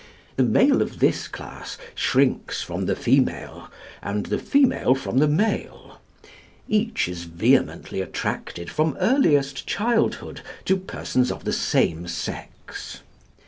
The male of this class shrinks from the female, and the female from the male. Each is vehemently attracted from earliest childhood to persons of the same sex.